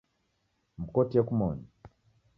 Mkotie kumoni.